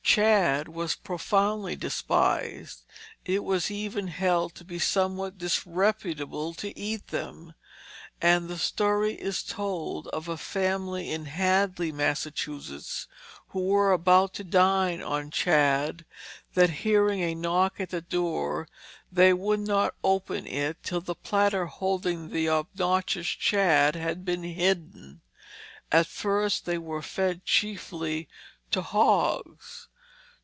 Shad were profoundly despised; it was even held to be somewhat disreputable to eat them; and the story is told of a family in Hadley, Massachusetts, who were about to dine on shad, that, hearing a knock at the door, they would not open it till the platter holding the obnoxious shad had been hidden. At first they were fed chiefly to hogs.